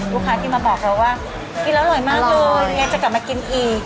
ลูกค้าที่มาบอกเราว่ากินแล้วอร่อยมากเลยไงจะกลับมากินอีก